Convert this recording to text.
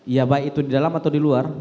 ya baik itu di dalam atau di luar